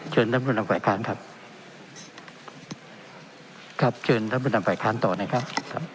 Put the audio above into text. เชิญท่านประธานครับครับเชิญท่านประธานต่อนะครับครับ